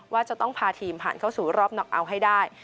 ว่าจะต้องพาทีมผ่านเข้าสู่รอบน็อกเอาท์ให้ได้